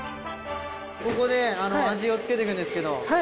ここで味を付けていくんですけど。